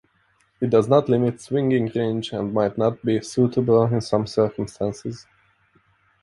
It does not limit swinging range, and might not be suitable in some circumstances.